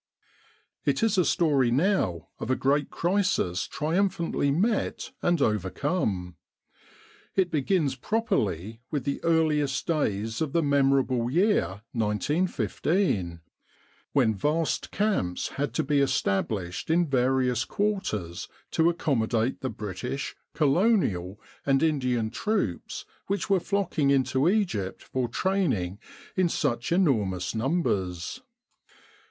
It is a story now of a great crisis triumphantly met and overcome. It begins properly with the earliest days of the memorable year 1915, when vast camps had to be established in various quarters to accom modate the British, Colonial, and Indian troops which were flocking into Egypt for training in such enor mous numbers.